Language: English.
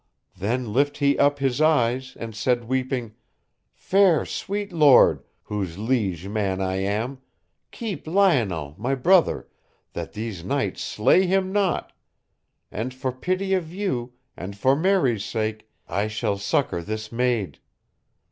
Then lift he up his eyes and said weeping: Fair sweet Lord, whose liege man I am, keep Lionel, my brother, that these knights slay him not, and for pity of you, and for Mary's sake, I shall succor this maid.